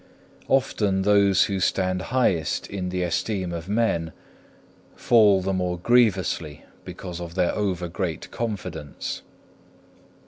4. Often those who stand highest in the esteem of men, fall the more grievously because of their over great confidence.